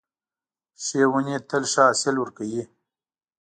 ښې ونې تل ښه حاصل ورکوي .